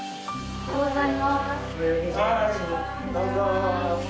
おはようございます。